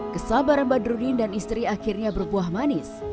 kesabaran badrudin dan istri akhirnya berbuah manis